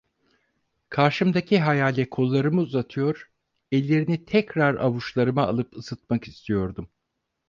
Karşımdaki hayale kollarımı uzatıyor, ellerini tekrar avuçlarıma alıp ısıtmak istiyordum.